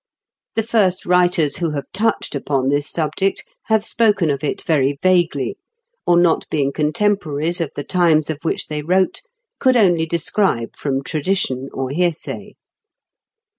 The first writers who have touched upon this subject have spoken of it very vaguely, or not being contemporaries of the times of which they wrote, could only describe from tradition or hearsay.